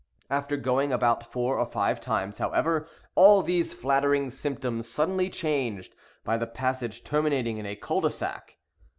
After going about four or five times, however, all these flattering symptoms suddenly changed, by the passage terminating in a cul de sac.